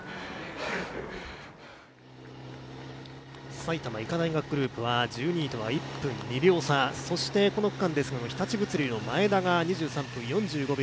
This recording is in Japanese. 埼玉医科大学グループは１２位とは１分２秒差、この区間では日立物流の前田が２３分４５秒。